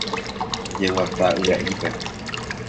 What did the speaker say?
Jeguata yga'ípe.